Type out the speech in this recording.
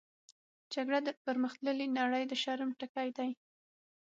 جګړه د پرمختللې نړۍ د شرم ټکی دی